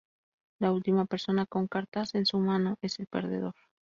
La última persona con cartas en su mano es el perdedor.